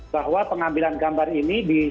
bahwa pengambilan gambar ini